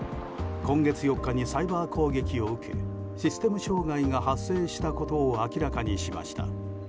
今月４日に、サイバー攻撃を受けシステム障害が発生したことを明らかにしました。